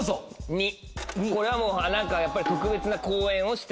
２これはもう何かやっぱり。